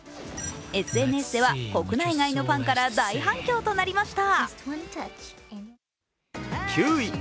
ＳＮＳでは国内外のファンから大反響となりました。